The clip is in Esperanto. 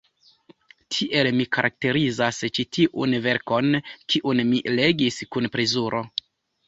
Tiel mi karakterizas ĉi tiun verkon, kiun mi legis kun plezuro.